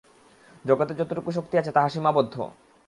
জগতে যতটুকু শক্তি আছে, তাহা সীমাবদ্ধ।